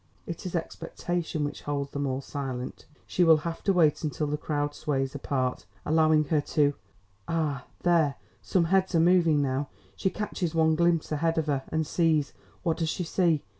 It is expectation which holds them all silent. She will have to wait until the crowd sways apart, allowing her to Ah, there, some heads are moving now! She catches one glimpse ahead of her, and sees What does she see?